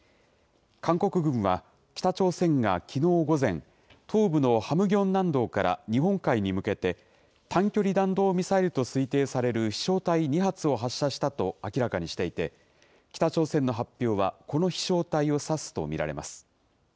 韓国軍は、北朝鮮がきのう午前、東部のハムギョン南道から日本海に向けて、短距離弾道ミサイルと推定される飛しょう体２発を発射したと明らかにしていて、北朝鮮の発表は、この飛しょう体を指すと見られます。